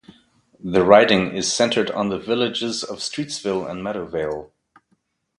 This riding is centred on the villages of Streetsville and Meadowvale.